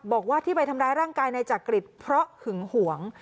บอกว่าที่ไปทำร้ายร่างกายนายจักริตเพราะหึงหวง